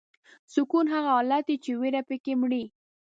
سکون هغه حالت دی چې ویره پکې مري.